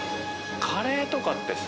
カレーとかってさ